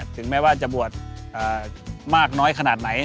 ถึงแม้ว่าจะบวชมากน้อยขนาดไหน